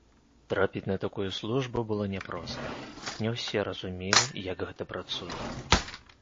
Трапіць на такую службу было няпроста, не ўсе разумелі, як гэта працуе.